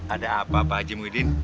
ada apa pak haji muiddin